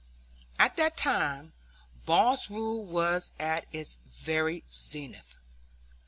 At that time boss rule was at its very zenith.